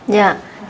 của cơ thể